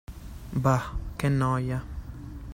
Bah, che noia.